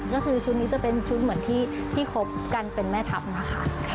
ก็คือชุดนี้จะเป็นชุดเหมือนที่คบกันเป็นแม่ทัพนะคะ